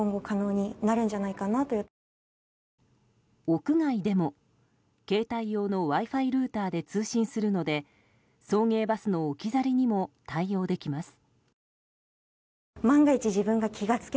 屋外でも携帯用のＷｉ‐Ｆｉルーターで通信するので、送迎バスの置き去りにも対応できます。